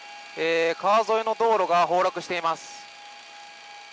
川沿いの道路が崩落しています。